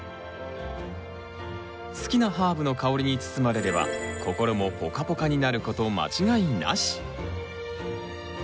好きなハーブの香りに包まれれば心もポカポカになること間違いなし。